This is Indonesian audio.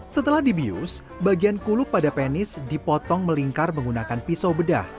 setelah dibius bagian kuluk pada penis dipotong melingkar menggunakan pisau bedah